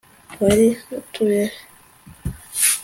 wari utuye he